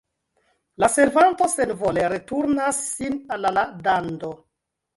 La servanto senvole returnas sin al la dando.